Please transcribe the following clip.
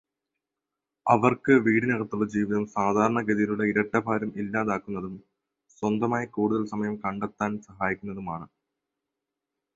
അവർക്ക് വീട്ടിനകത്തുള്ള ജീവിതം സാധാരണഗതിയിലുള്ള ഇരട്ടഭാരം ഇല്ലാതാക്കുന്നതും സ്വന്തമായി കൂടുതൽ സമയം കണ്ടെത്താൻ സഹായിക്കുന്നതുമാണ്.